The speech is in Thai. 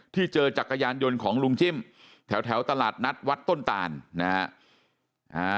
เจอจักรยานยนต์ของลุงจิ้มแถวตลาดนัดวัดต้นตานนะฮะ